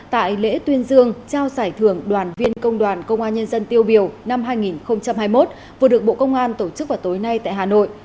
tại lễ tuyên dương trao giải thưởng đoàn viên công đoàn công an nhân dân tiêu biểu năm hai nghìn hai mươi một vừa được bộ công an tổ chức vào tối nay tại hà nội